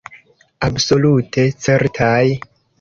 Absolute certaj.